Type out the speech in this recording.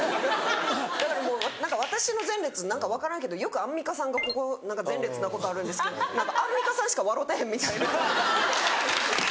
だからもう私の前列何か分からんけどよくアンミカさんがここ前列なことあるんですけどアンミカさんしか笑うてへんみたいな。